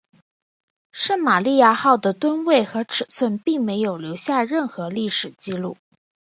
圣玛利亚号的吨位和尺寸并没有留下任何历史记录。